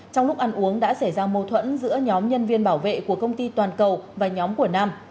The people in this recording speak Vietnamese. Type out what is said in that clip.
trong lúc ăn uống đã xảy ra mâu thuẫn giữa nhóm nhân viên bảo vệ của công ty toàn cầu và nhóm của nam